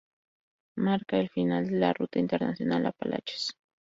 Marca el final de la Ruta Internacional Apalaches.